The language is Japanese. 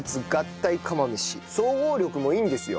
総合力もいいんですよ。